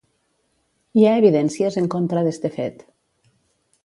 Hi ha evidències en contra d'este fet.